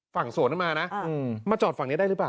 ฝั่งสวนมานะมาจอดฝั่งนี้ได้หรือเปล่า